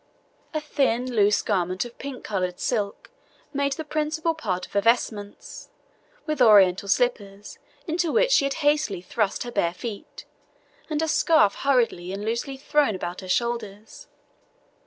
A thin, loose garment of pink coloured silk made the principal part of her vestments, with Oriental slippers, into which she had hastily thrust her bare feet, and a scarf hurriedly and loosely thrown about her shoulders.